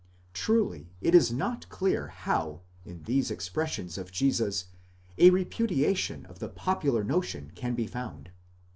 Truly it is not clear how in these expressions of Jesus a repudiation of the popular notion can be found.